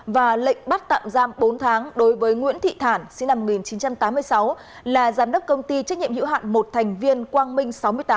và lệnh bắt tạm giam bốn tháng đối với nguyễn thị thản sinh năm một nghìn chín trăm tám mươi sáu là giám đốc công ty trách nhiệm hữu hạn một thành viên quang minh sáu mươi tám